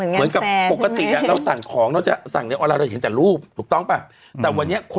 เหมือนคุณจะทำสาครูอย่างเงี้ย